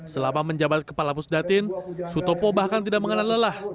selama menjabat kepala pusdatin sutopo bahkan tidak mengenal lelah